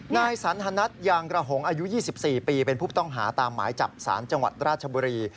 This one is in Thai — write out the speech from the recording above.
นายสันทนัทยางกระหงอายุ๒๔ปีเป็นผู้ต้องหาตามหมายจับสารจังหวัดราชบุรี